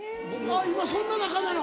今そんな仲なの。